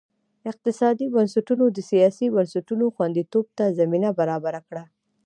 اقتصادي بنسټونو د سیاسي بنسټونو خوندیتوب ته زمینه برابره کړه.